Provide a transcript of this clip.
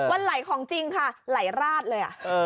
วันไหลของจริงค่ะไหลราดเลย